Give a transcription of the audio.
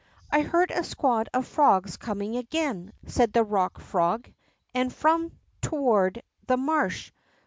I hear a squad of frogs coming again," said the Rock Frog, and from toward the marsh.